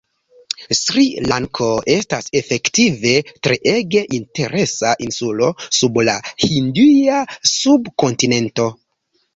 Sri-Lanko estas efektive treege interesa insulo sub la hindia subkontinento.